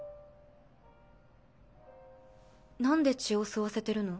何で血を吸わせてるの？